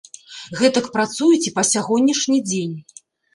Гэтак працуюць і па сягонняшні дзень.